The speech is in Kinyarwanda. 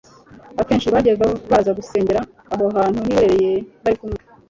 akenshi bajyaga baza gusengera aho hantu hiherereye bari kumwe.